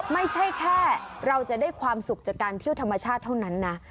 ไม่ใช่แค่เราจะได้ความสุขจากการเที่ยวธรรมชาติเท่านั้นนะ